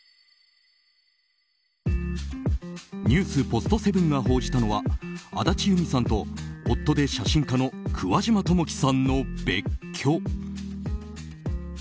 ポストセブンが報じたのは安達祐実さんと夫で写真家の桑島智輝さんの別居。